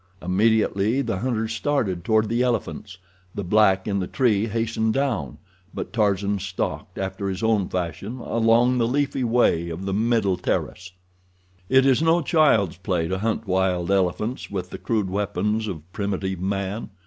Immediately the hunters started toward the elephants. The black in the tree hastened down, but Tarzan stalked, after his own fashion, along the leafy way of the middle terrace. It is no child's play to hunt wild elephants with the crude weapons of primitive man.